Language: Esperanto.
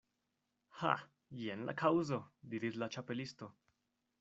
"Ha, jen la kaŭzo," diris la Ĉapelisto.